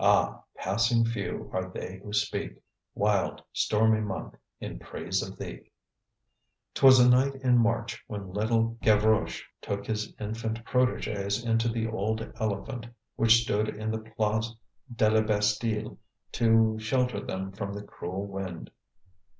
"Ah, passing few are they who speak, Wild, stormy month, in praise of thee." 'Twas a night in March when little Gavroche took his infant protegés into the old elephant which stood in the Place de la Bastile to shelter them from the cruel wind.